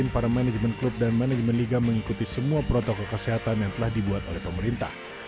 para manajemen klub dan manajemen liga mengikuti semua protokol kesehatan yang telah dibuat oleh pemerintah